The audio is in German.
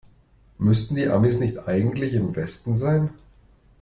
Müssten die Amis nicht eigentlich im Westen sein?